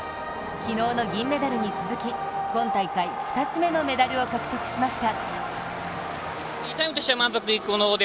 昨日の銀メダルに続き今大会２つ目のメダルを獲得しました。